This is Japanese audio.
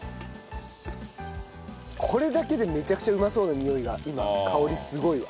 これだけでめちゃくちゃうまそうなにおいが今香りすごいわ。